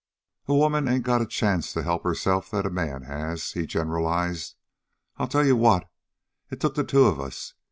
"A woman ain't got the chance to help herself that a man has," he generalized. "I'll tell you what: It took the two of us.